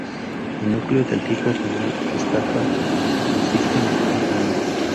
El núcleo del tipo penal de estafa consiste en el "engaño".